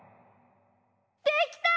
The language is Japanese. できた！